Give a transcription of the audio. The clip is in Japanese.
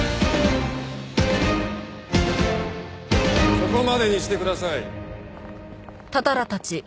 そこまでにしてください。